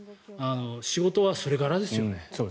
仕事はそれからですよね。